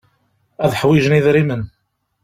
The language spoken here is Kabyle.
Ad ḥwijen idrimen.